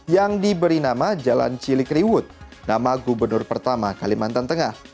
yang diberi nama jalan cilikriwut nama gubernur pertama kalimantan tengah